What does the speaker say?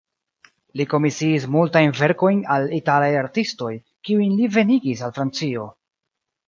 Li komisiis multajn verkojn al italaj artistoj, kiujn li venigis al Francio.